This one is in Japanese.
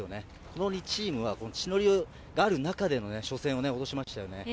この２チームは地の利がある中での初戦を落としましたよね。